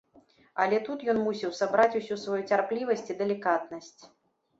Але тут ён мусіў сабраць усю сваю цярплівасць і далікатнасць.